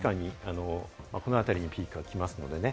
このあたりにピークが来ますからね。